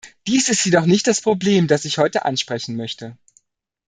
Dies ist jedoch nicht das Problem, das ich heute ansprechen möchte.